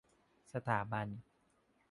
สถาบัน